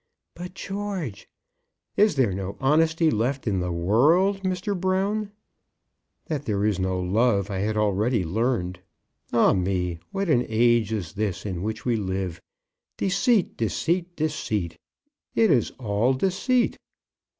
"But, George " "Is there no honesty left in the world, Mr. Brown? That there is no love I had already learned. Ah me, what an age is this in which we live! Deceit, deceit, deceit; it is all deceit!"